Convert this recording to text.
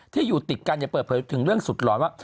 ที่อยู่ติดกันเปิดเผยถึงเรื่องสุดหลอนว่า